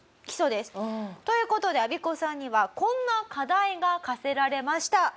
基礎です。という事でアビコさんにはこんな課題が課せられました。